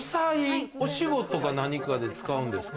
お仕事か何かで使うんですか？